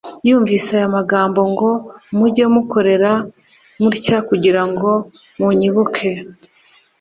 Yumvise aya magambo ngo : "Mujye mukorera mutya kugira ngo munyibuke. »